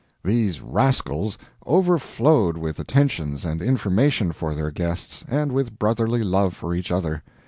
These rascals overflowed with attentions and information for their guests, and with brotherly love for each other.